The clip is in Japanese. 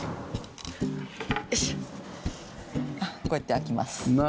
こうやって開きます。